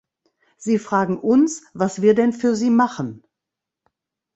Sie fragen uns, was wir denn für sie machen.